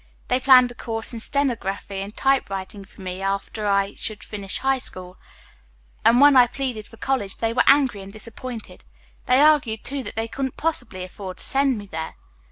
They planned a course in stenography and typewriting for me after I should finish high school, and when I pleaded for college they were angry and disappointed. They argued, too, that they couldn't possibly afford to send me there.